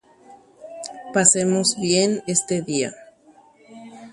Tajahasa porãitéke ko árape.